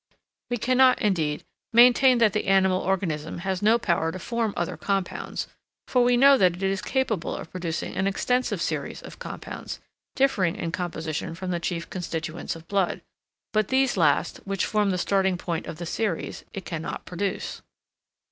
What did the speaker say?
We cannot, indeed, maintain that the animal organism has no power to form other compounds, for we know that it is capable of producing an extensive series of compounds, differing in composition from the chief constituents of blood; but these last, which form the starting point of the series, it cannot produce.